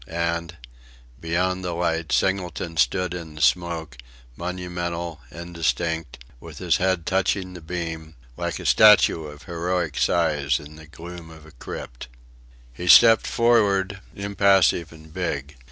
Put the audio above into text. And, beyond the light, Singleton stood in the smoke, monumental, indistinct, with his head touching the beam; like a statue of heroic size in the gloom of a crypt. He stepped forward, impassive and big.